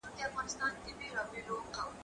زه سپينکۍ مينځلي دي!!